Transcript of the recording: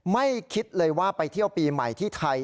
ไม่คิดเลยว่าไปเที่ยวปีใหม่ที่ไทย